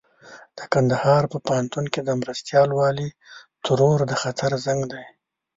د کندهار په پوهنتون کې د مرستيال والي ترور د خطر زنګ دی.